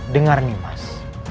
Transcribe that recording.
dengar nih mas